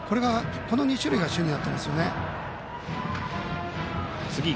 この２種類が主になっていますよね。